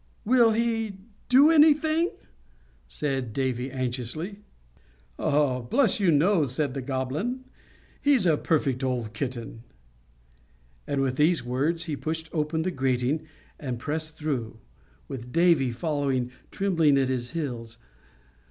"Will he do anything?" said Davy, anxiously. "Bless you, no!" said the Goblin. "He's a perfect old kitten;" and with these words he pushed open the grating and passed through, with Davy following tremblingly at his heels.